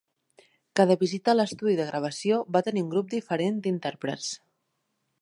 Cada visita a l'estudi de gravació va tenir un grup diferent d'intèrprets.